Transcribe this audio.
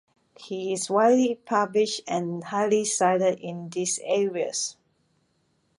He is widely published and highly cited in these areas.